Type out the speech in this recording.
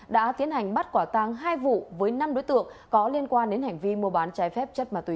đã tiến hành bắt quả tang hai vụ với năm đối tượng có liên quan đến hành vi mua bán trái phép chất ma túy